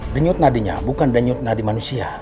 denyut nadinya bukan denyut nadi manusia